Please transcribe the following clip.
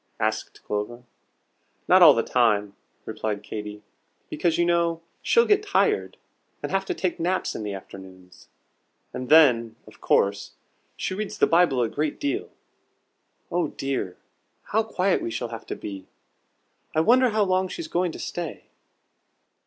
asked Clover. "Not all the time," replied Katy, "because you know she'll get tired, and have to take naps in the afternoons. And then, of course, she reads the Bible a great deal. Oh dear, how quiet we shall have to be! I wonder how long she's going to stay?"